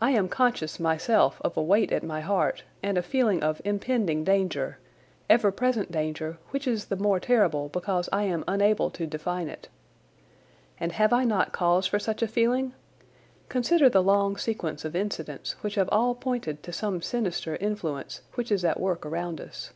I am conscious myself of a weight at my heart and a feeling of impending danger—ever present danger, which is the more terrible because I am unable to define it. And have I not cause for such a feeling? Consider the long sequence of incidents which have all pointed to some sinister influence which is at work around us.